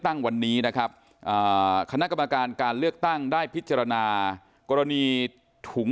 ตั้งวันนี้นะครับคณะกรรมการการเลือกตั้งได้พิจารณากรณีถุง